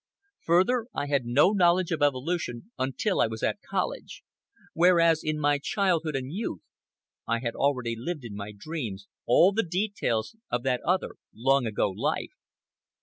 Further, I had no knowledge of evolution until I was at college, whereas in my childhood and youth I had already lived in my dreams all the details of that other, long ago life.